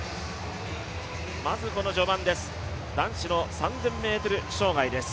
まずこの序盤です、男子の３０００ｍ障害です。